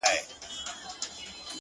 حالاتو دومره محبت کي راگير کړی يمه’